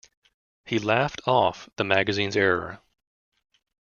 He laughed off the magazine's error.